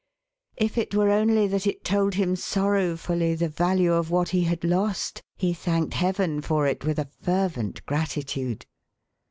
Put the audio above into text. If it were only that it told him sorrowfullv the value of what he had h»t, he thanked Heaven for it with a fervent gratitude.